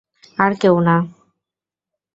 আর কেউ না।